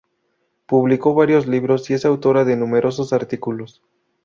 Publicó varios libros y es autora de numerosos artículos.